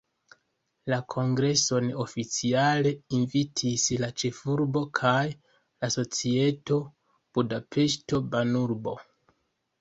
La kongreson oficiale invitis la ĉefurbo kaj la Societo Budapeŝto-Banurbo.